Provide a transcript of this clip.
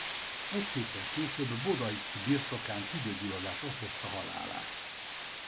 Egy héttel később bodajki birtokán tüdőgyulladás okozta halálát.